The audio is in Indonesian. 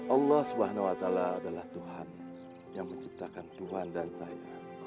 allah swt adalah tuhan yang menciptakan tuhan dan saya